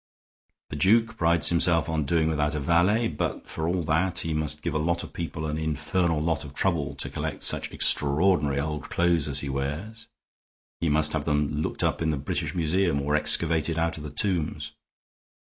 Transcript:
The duke prides himself on doing without a valet, but, for all that, he must give a lot of people an infernal lot of trouble to collect such extraordinary old clothes as he wears. He must have them looked up in the British Museum or excavated out of the tombs.